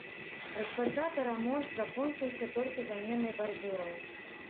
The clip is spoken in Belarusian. Распачаты рамонт закончыўся толькі заменай бардзюраў.